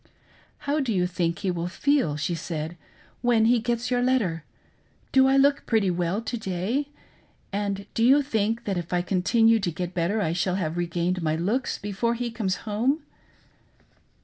" How do you think he will feel," she said, " when he gets your letter.'— Do I look pretty well to day? And do you think that if I continue to get better I shall have regained my looks before he comes home."